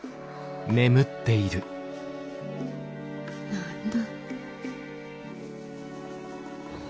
何だ。